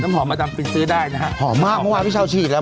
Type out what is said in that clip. หอมประจำปีซื้อได้นะฮะหอมมากเมื่อวานพี่เช้าฉีดแล้ว